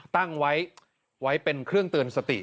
ตั้งไว้เป็นเครื่องเตือนสติ